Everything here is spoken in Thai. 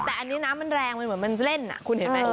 แต่อันนี้น้ำมันแรงมันเหมือนมันเล่นคุณเห็นไหม